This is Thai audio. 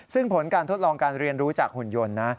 ซึ่งผลการทดลองการเรียนรู้จากหุ่นยนต์นะ